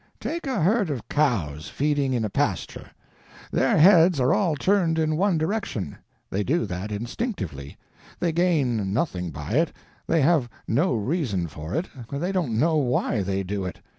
Take a herd of cows, feeding in a pasture. Their heads are all turned in one direction. They do that instinctively; they gain nothing by it, they have no reason for it, they don't know why they do it.